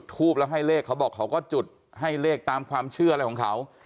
ทูบแล้วให้เลขเขาบอกเขาก็จุดให้เลขตามความเชื่ออะไรของเขา